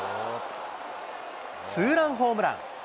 ツーランホームラン。